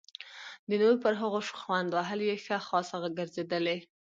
د نورو پر هغو شخوند وهل یې ښه خاصه ګرځېدلې.